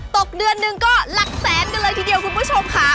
ตกเดือนหนึ่งก็หลักแสนกันเลยทีเดียวคุณผู้ชมค่ะ